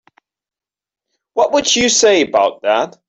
What would you say about that?